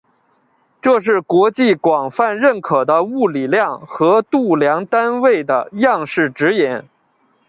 这是国际广泛认可的物理量和量度单位的样式指引。